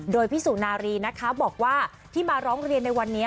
โดยพี่สุนารีนะคะบอกว่าที่มาร้องเรียนในวันนี้